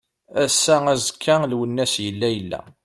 Ass-a, azekka Lwennas yella yella.